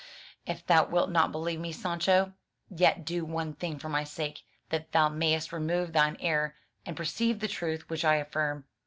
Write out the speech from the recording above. If thou wilt not believe me, Sancho, yet do one thing for my sake, that thou mayest remove thine error, and perceive the truth which I affirm.